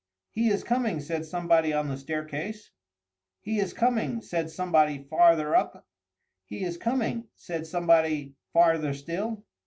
"He is coming!" said somebody on the staircase. "He is coming!" said somebody farther up. "He is coming!" said somebody farther still.